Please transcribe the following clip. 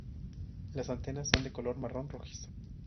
Las antenas son de color marrón rojizo.